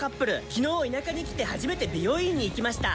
昨日田舎に来て初めて美容院に行きました。